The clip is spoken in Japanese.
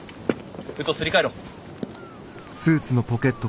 封筒すり替えろ。